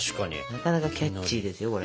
なかなかキャッチーですよこれ。